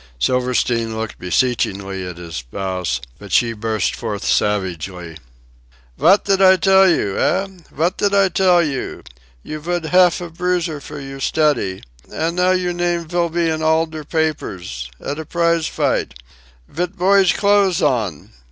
Silverstein looked beseechingly at his spouse, but she burst forth savagely: "Vot did I tell you, eh? Vot did I tell you? You vood haf a bruiser for your steady! An' now your name vill be in all der papers! At a prize fight vit boy's clothes on!